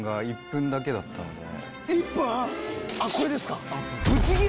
１分⁉これですか。